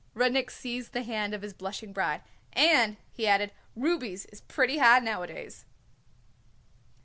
Rudnik seized the hand of his blushing bride. "And," he added, "rubies is pretty high nowadays."